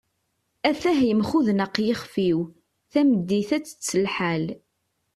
at-ah yemxudneq yixef-iw, tameddit ad tett lḥal